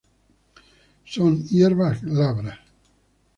Son hierbas glabras.